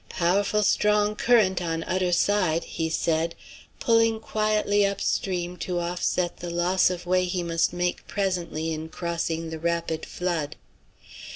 "Pow'ful strong current on udder side," he said, pulling quietly up stream to offset the loss of way he must make presently in crossing the rapid flood.